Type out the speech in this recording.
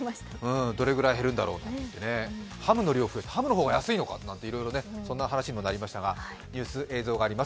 どれぐらい減るんだろうって、ハムの量を増やす、ハムの方が安いのかという話にもなりましたがニュース、映像があります。